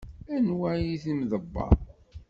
Anwa ay d imḍebber?